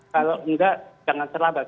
kalau enggak jangan terlambat